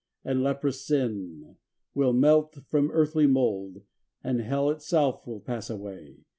And leprous Sin will melt from earthly mould; And Hell itself will pass away.